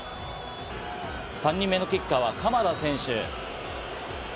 ３人目のキッカーは鎌田選手。